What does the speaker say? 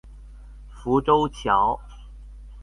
浮洲橋